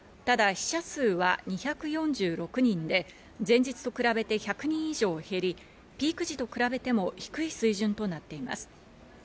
ただ、死者数は２４６人で、前日と比べて１００人以上減り、ピーク時と比べても低い水準となっています。